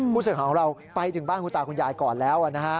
ผู้เสียงของเราไปถึงบ้านคุณตาคุณยายก่อนแล้ว